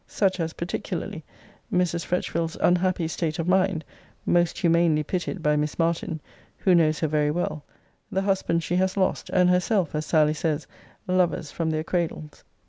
Such as, particularly, 'Mrs. Fretchville's unhappy state of mind most humanely pitied by Miss Martin, who knows her very well the husband she has lost, and herself, (as Sally says,) lovers from their cradles.